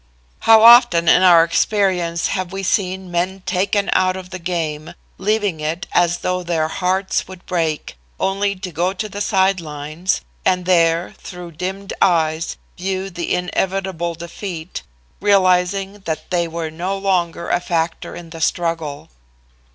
How often in our experience have we seen men taken out of the game leaving it as though their hearts would break, only to go to the side lines, and there through dimmed eyes view the inevitable defeat, realizing that they were no longer a factor in the struggle.